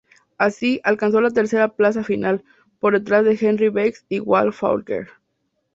Así, alcanzó la tercera plaza final, por detrás de Henry Banks y Walt Faulkner.